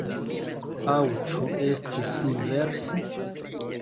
Aŭ ĉu estis inverse?